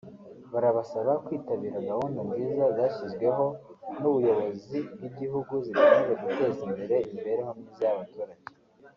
Barabasaba kwitabira gahunda nziza zashyizweho n’ubuyobozi bw’igihugu zigamije guteza imbere imibereho myiza y’abaturage